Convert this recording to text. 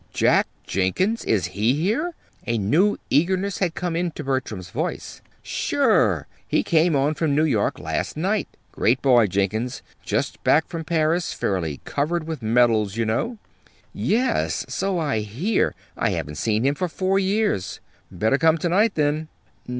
"Jack Jenkins? Is he here?" A new eagerness had come into Bertram's voice. "Sure! He came on from New York last night. Great boy, Jenkins! Just back from Paris fairly covered with medals, you know." "Yes, so I hear. I haven't seen him for four years." "Better come to night then."